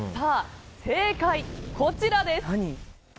正解は、こちらです。